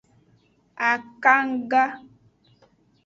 Akanga.